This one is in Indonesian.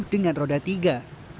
dengan roda tiga